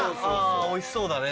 おいしそうだねでも。